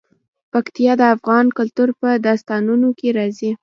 پکتیا د افغان کلتور په داستانونو کې راځي.